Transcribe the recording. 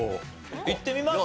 いってみます？